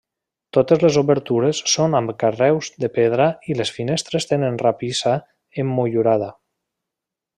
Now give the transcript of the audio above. Totes les obertures són amb carreus de pedra i les finestres tenen rapissa emmotllurada.